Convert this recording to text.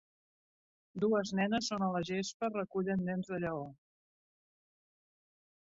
Dues nenes són a la gespa recullen dents de lleó.